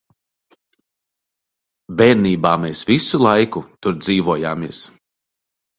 Bērnībā mēs visu laiku tur dzīvojāmies.